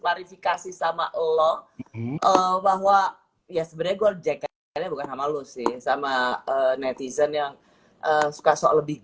klarifikasi sama elo bahwa ya sebegul jack bukan sama lu sih sama netizen yang suka soal lebih